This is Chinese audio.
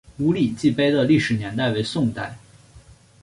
五礼记碑的历史年代为宋代。